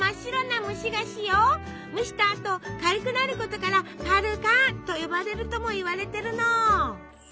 蒸したあと軽くなることから「かるかん」と呼ばれるともいわれてるの。